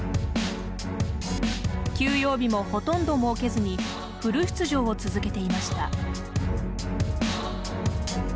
休養日もほとんど設けずにフル出場を続けていました。